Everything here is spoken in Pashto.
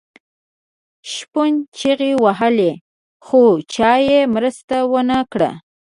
شپون چیغې وهلې خو چا یې مرسته ونه کړه.